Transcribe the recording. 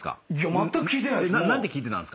まったく聞いてないです。